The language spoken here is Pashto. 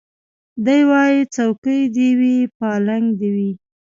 دی وايي څوکۍ دي وي پالنګ دي وي